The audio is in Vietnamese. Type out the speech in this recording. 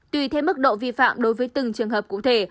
tùy theo mức độ vi phạm đối với từng trường hợp cụ thể